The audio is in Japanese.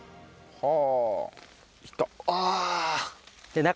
はあ！